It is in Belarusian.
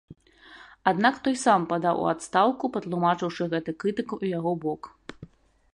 Аднак той сам падаў у адстаўку, патлумачыўшы гэта крытыкай у яго бок.